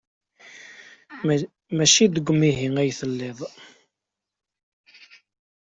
Maci deg umihi ay telliḍ.